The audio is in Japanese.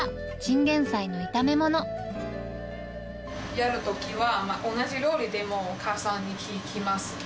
やるときは同じ料理でもお母さんに聞きます。